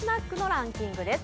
ランキングです。